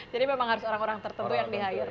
jadi memang harus orang orang tertentu yang di hire